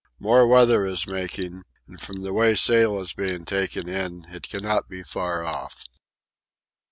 More weather is making, and from the way sail is being taken in it cannot be far off.